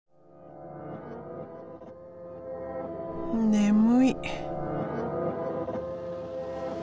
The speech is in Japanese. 眠い。